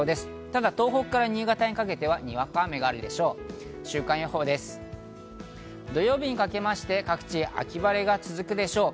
ただ、東北から新潟にかけてはにわか雨があるでしょう。